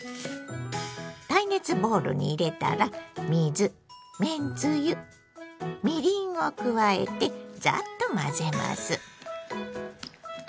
耐熱ボウルに入れたら水めんつゆみりんを加えてザッと混ぜます。